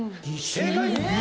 正解！